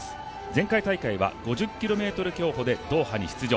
前回大会は５０ｋｍ競歩でドーハに出場。